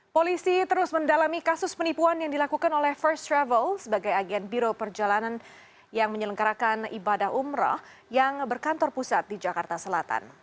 polisi terus mendalami kasus penipuan yang dilakukan oleh first travel sebagai agen biro perjalanan yang menyelenggarakan ibadah umroh yang berkantor pusat di jakarta selatan